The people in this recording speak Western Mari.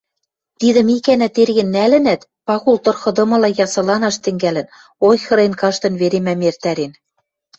Тидӹм икӓнӓ терген нӓлӹнӓт, Пагул тырхыдымыла ясыланаш тӹнгӓлӹн, ойхырен каштын веремӓм эртӓрен.